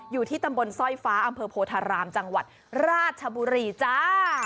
อยู่ที่ตำบลสร้อยฟ้าอำเภอโพธารามจังหวัดราชบุรีจ้า